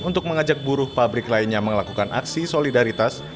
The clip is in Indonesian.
untuk mengajak buruh pabrik lainnya melakukan aksi solidaritas